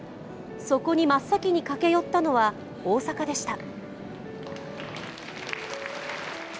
そこに真っ先に駆け寄ったのは大坂でした。